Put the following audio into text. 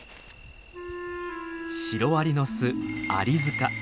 シロアリの巣アリ塚。